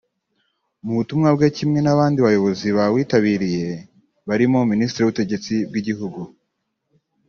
Mu butumwa bwe kimwe n’abandi bayobozi bawitabiriye barimo Minisitiri w’Ubutegetsi bw’Igihugu